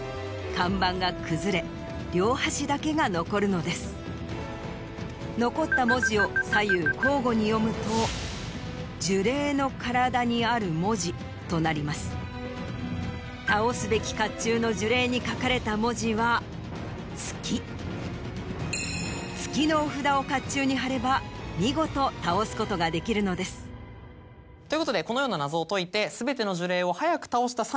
看板が崩れ両端だけが残るのです残った文字を左右交互に読むと「呪霊の体にある文字」となります倒すべき甲冑の呪霊に書かれた文字は「月」「月」のお札を甲冑に貼れば見事倒すことができるのですということでこのような謎を解いて。